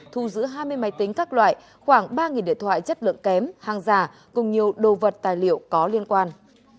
thu giữ hai mươi máy tính các loại khoảng ba điện thoại chất lượng kém hàng giả cùng nhiều đồ vật tài liệu có liên quan